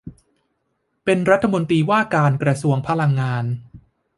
เป็นรัฐมนตรีว่าการกระทรวงพลังงาน